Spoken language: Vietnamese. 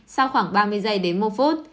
sau khoảng ba mươi giây đến một phút